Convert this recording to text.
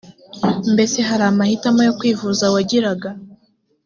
rr mbese hari amahitamo yo kwivuza wagiraga